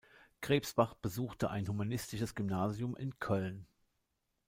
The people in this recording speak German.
Krebsbach besuchte ein humanistisches Gymnasium in Köln.